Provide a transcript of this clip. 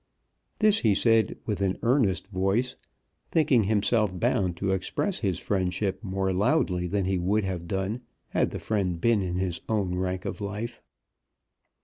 This he said with an earnest voice, thinking himself bound to express his friendship more loudly than he would have done had the friend been in his own rank of life.